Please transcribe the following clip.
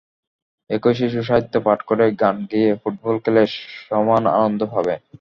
একই শিশু সাহিত্য পাঠ করে, গান গেয়ে, ফুটবল খেলে সমান আনন্দ পাবে।